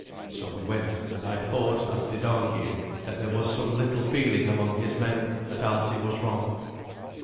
So we went, and I thought, as did Arngeir, that there was some little feeling among his men that Alsi was wrong.